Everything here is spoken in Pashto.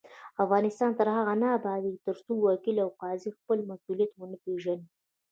افغانستان تر هغو نه ابادیږي، ترڅو وکیل او قاضي خپل مسؤلیت ونه پیژني.